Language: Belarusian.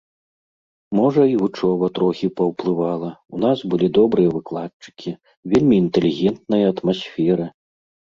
Можа, і вучоба трохі паўплывала, у нас былі добрыя выкладчыкі, вельмі інтэлігентная атмасфера.